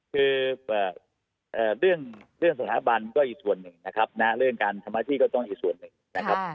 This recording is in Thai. คือเรื่องสถาบันก็อีกส่วนหนึ่งนะครับเรื่องการทำหน้าที่ก็ต้องอีกส่วนหนึ่งนะครับ